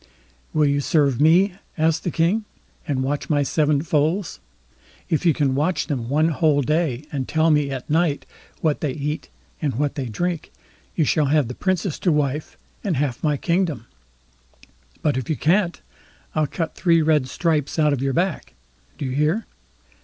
"Will you serve me?" asked the King, "and watch my seven foals. If you can watch them one whole day, and tell me at night what they eat and what they drink, you shall have the Princess to wife, and half my kingdom; but if you can't, I'll cut three red stripes out of your back. Do you hear?"